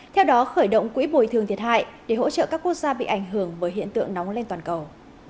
theo đó khởi động quỹ bồi thường thiệt hại để hỗ trợ các quốc gia bị ảnh hưởng bởi hiện tượng nóng lên toàn cầu